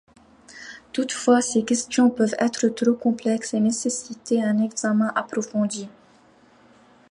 Toutefois, ces questions peuvent être trop complexes et nécessiter un examen approfondi.